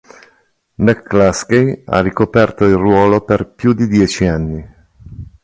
McCluskey ha ricoperto il ruolo per più di dieci anni.